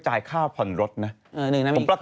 จากธนาคารกรุงเทพฯ